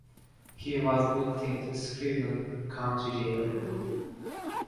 He was booked into Screven County Jail.